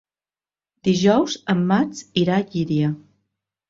Dijous en Max irà a Llíria.